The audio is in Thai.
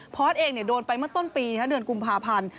พอสเองโดนไปเมื่อต้นปีเดือนกุมภาพันธ์